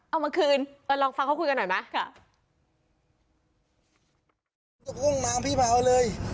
เอามาคืนเราลองฟังเขาคุยกันหน่อยมั้ย